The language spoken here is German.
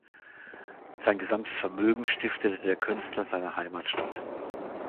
Sein gesamtes Vermögen stiftete der Künstler seiner Heimatstadt.